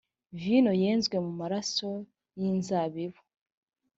vino yenzwe mu maraso y inzabibu